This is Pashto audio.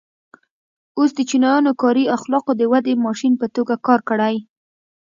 اوس د چینایانو کاري اخلاقو د ودې ماشین په توګه کار کړی.